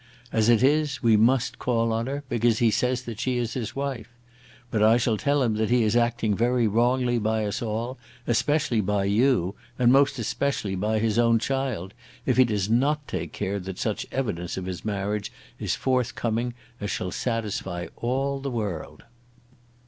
As it is, we must call on her, because he says that she is his wife. But I shall tell him that he is acting very wrongly by us all, especially by you, and most especially by his own child, if he does not take care that such evidence of his marriage is forthcoming as shall satisfy all the world."